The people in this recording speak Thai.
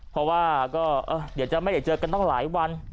เพราะว่าก็เดี๋ยวจะไม่ได้เจอกันตั้งหลายวัน